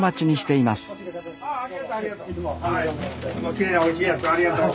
いつもきれいなおいしいやつをありがとう。